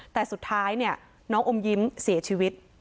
แต่สุดท้ายเนี่ยน้องอมยิ้มเสียชีวิต